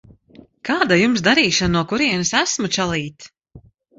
Kāda Jums darīšana no kurienes esmu, čalīt?